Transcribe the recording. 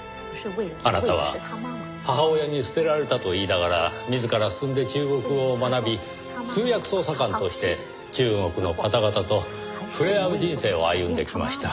あなたは母親に捨てられたと言いながら自ら進んで中国語を学び通訳捜査官として中国の方々と触れ合う人生を歩んできました。